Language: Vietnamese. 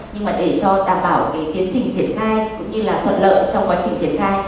nhưng mà để cho đảm bảo cái tiến trình triển khai cũng như là thuận lợi trong quá trình triển khai